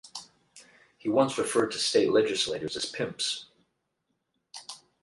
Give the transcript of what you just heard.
He once referred to State legislators as "pimps".